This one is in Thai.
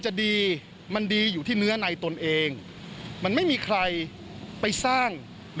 ชั้นไม่เห็นคัน